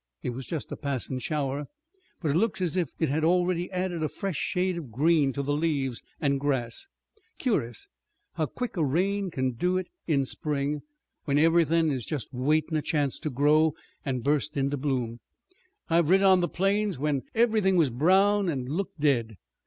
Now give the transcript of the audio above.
"It was just a passin' shower. But it looks as if it had already added a fresh shade of green to the leaves and grass. Cur'us how quick a rain can do it in spring, when everything is just waitin' a chance to grow, and bust into bloom. I've rid on the plains when everything was brown an' looked dead.